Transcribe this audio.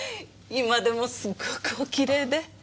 今でもすごくおきれいで。